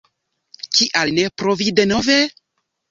Kial ne provi denove?